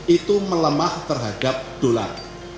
itu melemah terhadap dolar